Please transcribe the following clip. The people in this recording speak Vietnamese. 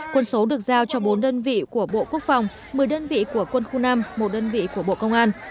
quân số được giao cho bốn đơn vị của bộ quốc phòng một mươi đơn vị của quân khu năm một đơn vị của bộ công an